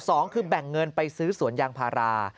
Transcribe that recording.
สองคือแบ่งเงินไปซื้อสวนยางพารา